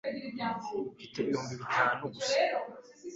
Mfite ibihumbi bitanu gusa.